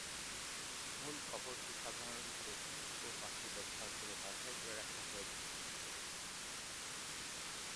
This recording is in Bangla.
মূল কবরটি সাধারণভাবে ইট ও পাথর ব্যবহার করে বাঁধাই করে রাখা হয়েছে।